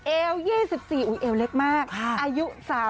เอว๒๔เอวเล็กมากอายุ๓๒